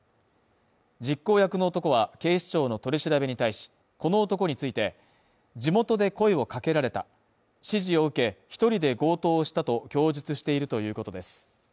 実行役の男は警視庁の取り調べに対し、この男について地元で声をかけられた指示を受け１人で強盗をしたと供述しているということです。